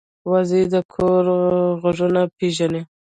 وزې د کور غږونه پېژني